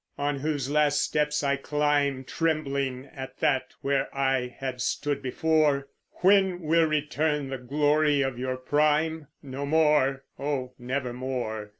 On whose last steps I climb, Trembling at that where I had stood before; When will return the glory of your prime? No more oh, never more!